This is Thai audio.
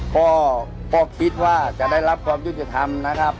ก็คิดว่าจะได้รับความยุติธรรมนะครับ